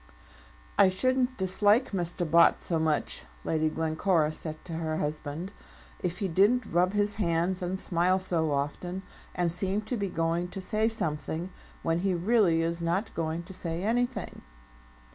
"I shouldn't dislike Mr. Bott so much," Lady Glencora said to her husband, "if he didn't rub his hands and smile so often, and seem to be going to say something when he really is not going to say anything."